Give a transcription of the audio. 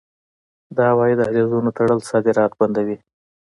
د هوایی دهلیزونو تړل صادرات بندوي.